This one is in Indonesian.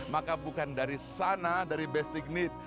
maka bukan dari sana dari basic need